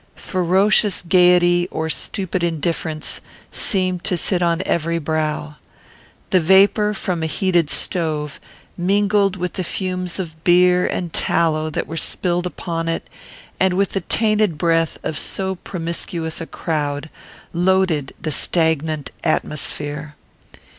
Ferocious gayety, or stupid indifference, seemed to sit upon every brow. The vapour from a heated stove, mingled with the fumes of beer and tallow that were spilled upon it, and with the tainted breath of so promiscuous a crowd, loaded the stagnant atmosphere.